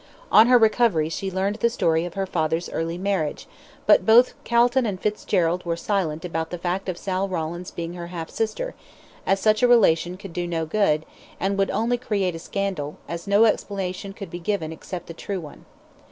On her recovery she learned the story of her father's early marriage, but both Calton and Fitzgerald were silent about the fact of Sal Rawlins being her half sister, as such a relation could do no good, and would only create a scandal, as no explanation could be given except the true one.